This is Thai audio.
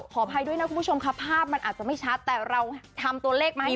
อภัยด้วยนะคุณผู้ชมค่ะภาพมันอาจจะไม่ชัดแต่เราทำตัวเลขมาให้